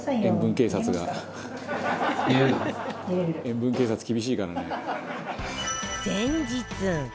「塩分警察厳しいからね」